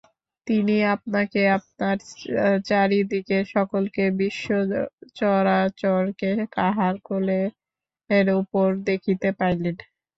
তিনি আপনাকে, আপনার চারি দিকের সকলকে, বিশ্বচরাচরকে কাহার কোলের উপর দেখিতে পাইলেন।